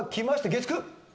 月９！